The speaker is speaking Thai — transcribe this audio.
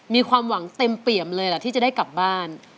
มีความหวังเต็มเปี่ยมเลยล่ะที่จะได้กลับบ้าน